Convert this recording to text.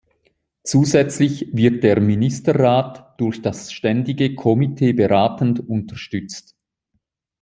Zusätzlich wird der Ministerrat durch das ständige Komitee beratend unterstützt.